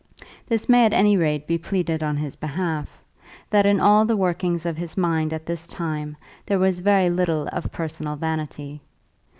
This may at any rate be pleaded on his behalf, that in all the workings of his mind at this time there was very little of personal vanity.